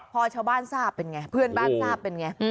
พอชาวบ้านทราบเป็นไงเพื่อนบ้านทราบเป็นไง